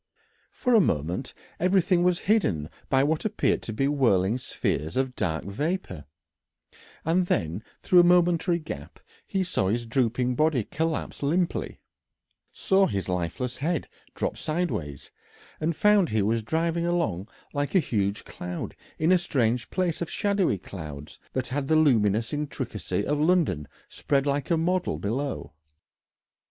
For a moment everything was hidden by what appeared to be whirling spheres of dark vapour, and then through a momentary gap he saw his drooping body collapse limply, saw his lifeless head drop sideways, and found he was driving along like a huge cloud in a strange place of shadowy clouds that had the luminous intricacy of London spread like a model below.